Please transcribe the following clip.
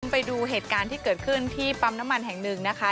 ไปดูเหตุการณ์ที่เกิดขึ้นที่ปั๊มน้ำมันแห่งหนึ่งนะคะ